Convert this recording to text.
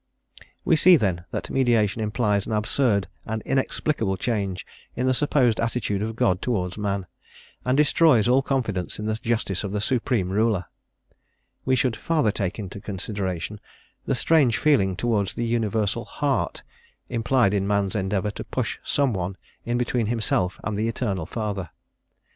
We see, then, that mediation implies an absurd and inexplicable change in the supposed attitude of God towards man, and destroys all confidence in the justice of the Supreme Ruler. We should further take into consideration the strange feeling towards the Universal Heart implied in man's endeavour to push some one in between himself and the Eternal Father.